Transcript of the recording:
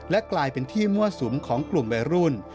และกลายเป็นที่มั่วสุมของกลุ่มวัยรุ่น